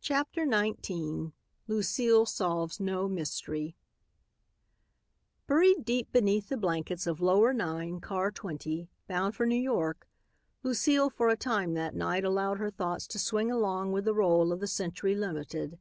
CHAPTER XIX LUCILE SOLVES NO MYSTERY Buried deep beneath the blankets of lower 9, car 20, bound for New York, Lucile for a time that night allowed her thoughts to swing along with the roll of the Century Limited.